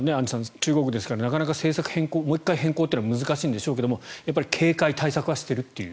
中国ですからなかなか政策をもう１回変更というのは難しいんでしょうけど警戒、対策はしていると。